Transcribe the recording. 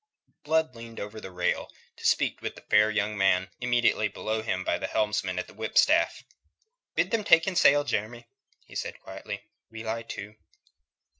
Blood leaned over the rail to speak to the fair young man immediately below him by the helmsman at the whipstaff. "Bid them take in sail, Jeremy," he said quietly. "We lie to."